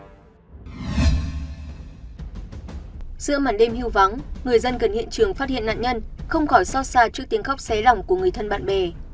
giữa mặt đêm hưu vắng người dân gần hiện trường phát hiện nạn nhân không khỏi so xa trước tiếng khóc xé lỏng của người thân bạn bè